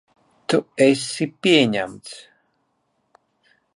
Tu esi pieņemts.